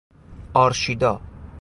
آرشیدا